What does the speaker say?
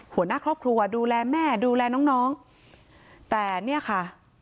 หัวหน้าครอบครัวดูแลแม่ดูแลน้องน้องแต่เนี่ยค่ะ